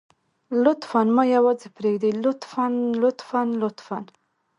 لطفاً ما يوازې پرېږدئ لطفاً لطفاً لطفاً.